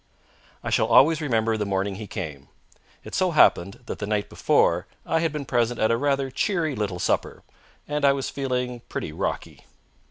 I shall always remember the morning he came. It so happened that the night before I had been present at a rather cheery little supper, and I was feeling pretty rocky.